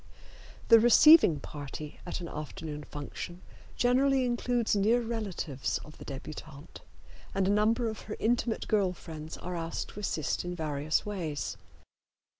The receiving party at an afternoon function generally includes near relatives of the debutante, and a number of her intimate girl friends are asked to assist in various ways.